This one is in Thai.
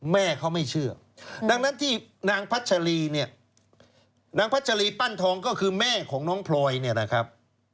แม่เขาไม่เชื่อดังนั้นที่นางพัชรีเนี่ยนางพัชรีปั้นทองก็คือแม่ของน้องพลอยเนี่ยนะครับ